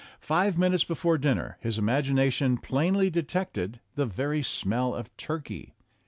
Five minutes before dinner his imagination plainly detected the very smell of turkey.